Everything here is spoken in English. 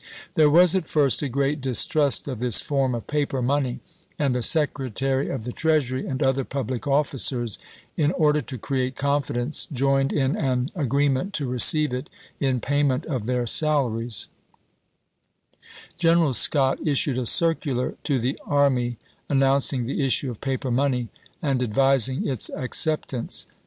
There was, at first, a great distrust of this form of paper money, and the J. J. Knox. Secretary of the Treasury and other public officers, "United • j j. j. hi •• i • States m order to create coniidence, nomed m an agree p. 89.' ment to receive it in payment of their salaries. Greneral Scott issued a circular to the army an nouncing the issue of paper money and advising its acceptance.